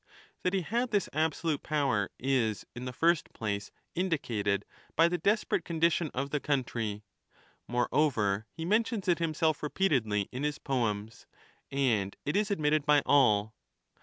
That he had this absolute power is, in the first place, indi cated by the desperate condition of the country ; moreover, he mentions it himself repeatedly in his poems, and it is admitted by all.